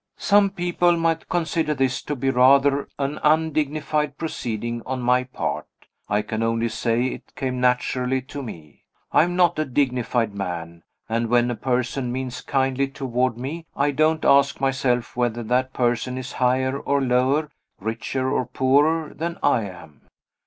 Some people might consider this to be rather an undignified proceeding on my part. I can only say it came naturally to me. I am not a dignified man; and, when a person means kindly toward me, I don't ask myself whether that person is higher or lower, richer or poorer, than I am.